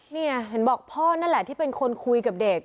นี่เห็นบอกพ่อนั่นแหละที่เป็นคนคุยกับเด็ก